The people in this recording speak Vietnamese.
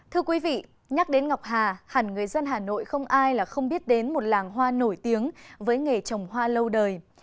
thưa quý vị nhắc đến ngọc hà hẳn người dân hà nội không ai là không biết đến một làng hoa nổi tiếng với nghề trồng hoa lâu đời